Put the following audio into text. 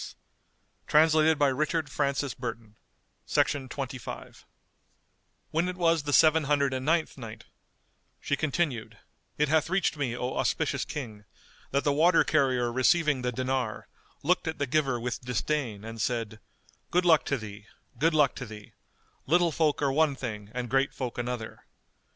——And Shahrazad perceived the dawn of day and ceased saying her permitted say, When it was the Seven Hundred and Ninth Night, She continued, It hath reached me, O auspicious King, that the water carrier receiving the dinar, looked at the giver with disdain and said "Good luck to thee! Good luck to thee! Little folk are one thing and great folk another."